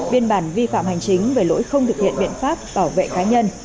biên bản vi phạm hành chính về lỗi không thực hiện biện pháp bảo vệ cá nhân